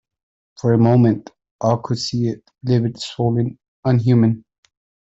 For a moment all could see it — livid, swollen, unhuman.